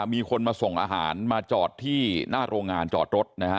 มีคนมาส่งอาหารมาจอดที่หน้าโรงงานจอดรถนะฮะ